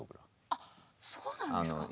あっそうなんですか。